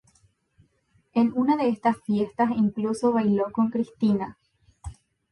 En una de estas fiestas, incluso bailó con Kristina.